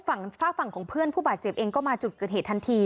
ฝากฝั่งของเพื่อนผู้บาดเจ็บเองก็มาจุดเกิดเหตุทันที